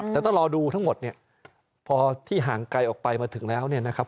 แต่ต้องรอดูทั้งหมดเนี่ยพอที่ห่างไกลออกไปมาถึงแล้วเนี่ยนะครับ